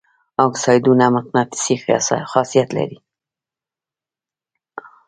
اکسایدونه مقناطیسي خاصیت لري.